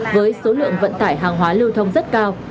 với số lượng vận tải hàng hóa lưu thông rất cao